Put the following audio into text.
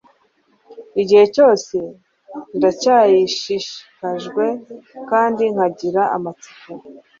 igihe cyose ndacyashishikajwe kandi nkagira amatsiko